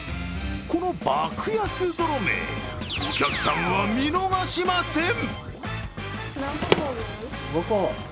この爆安ゾロ目、お客さんは見逃しません！